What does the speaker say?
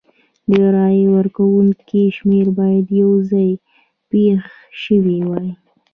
د رای ورکوونکو شمېر باید یو ځای پېښ شوي وای.